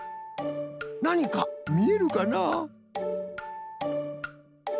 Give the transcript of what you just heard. なにかみえるかな？